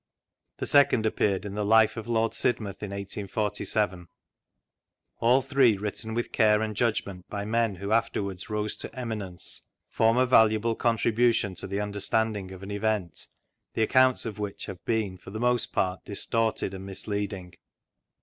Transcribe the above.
The second appeared in the " Life of Lord Sid mouth" in 1847. All three, written with care and judgment, by men who afterwards rose to eminence, form a valuable contribution to the understanding trf an event, the accounts of which have been for the most part distorted and mis leading.